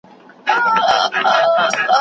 هغه د ځمکو شخړې په انصاف حل کړې.